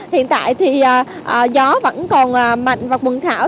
hiện tại thì gió vẫn còn mạnh và mừng thảo